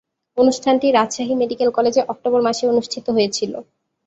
অনুষ্ঠানটি রাজশাহী মেডিকেল কলেজে অক্টোবর মাসে অনুষ্ঠিত হয়েছিলো।